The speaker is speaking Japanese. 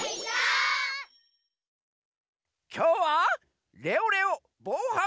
きょうはレオレオぼうはん